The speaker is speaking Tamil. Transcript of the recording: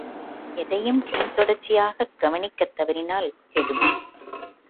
எதையும் பின் தொடர்ச்சியாகக் கவனிக்கத் தவறினால் கெடும்.